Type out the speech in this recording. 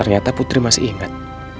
ternyata putri masih inget